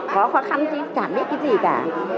có khó khăn chứ chẳng biết cái gì cả